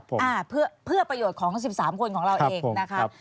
เพื่อประโยชน์ของ๑๓คนของเราเองนะคะ